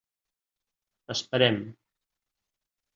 Esperem.